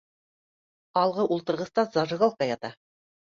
Алғы ултырғыста зажигалка ята